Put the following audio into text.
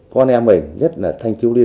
con em mình nhất là thanh thiếu niên